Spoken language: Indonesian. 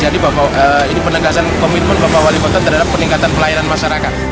ini penegasan komitmen bapak wali kota terhadap peningkatan pelayanan masyarakat